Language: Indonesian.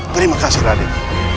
terima kasih raden